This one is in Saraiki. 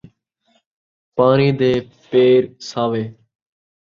پاݨی دے پیر ساوے